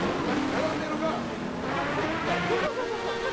キャラメルがちょっとビターというか。